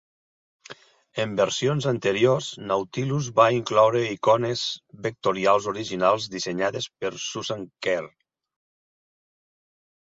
En versions anteriors, Nautilus va incloure icones vectorials originals dissenyades per Susan Kare.